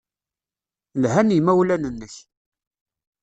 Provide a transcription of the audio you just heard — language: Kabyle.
Lhan yimawlan-nnek.